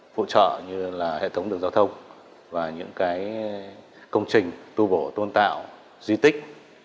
phụ trợ như là hệ thống đường giao thông và những công trình tu bổ tôn tạo di tích